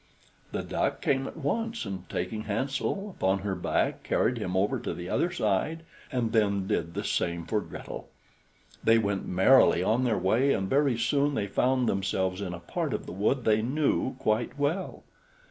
The duck came at once, and, taking Hansel upon her back, carried him over to the other side, and then did the same for Gretel. They went merrily on their way, and very soon they found themselves in a part of the wood they knew quite well.